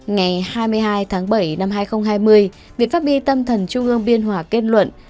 ngày hai mươi hai tháng bảy năm hai nghìn hai mươi viện pháp bi tâm thần trung ương biên hòa kết luận